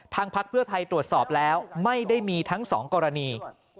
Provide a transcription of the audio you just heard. ทางภักดิ์เพื่อไทยตรวจสอบแล้วไม่ได้มีทั้งสองกรณี